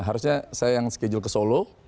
harusnya saya yang schedule ke solo